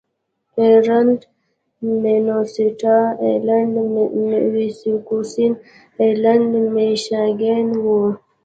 ایرلنډ مینیسوټا، ایرلنډ ویسکوسین، ایرلنډ میشیګان و.